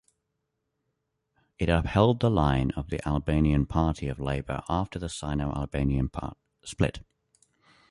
It upheld the line of the Albanian Party of Labour after the Sino-Albanian split.